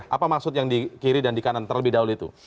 apa maksud yang di kiri dan di kanan terlebih dahulu itu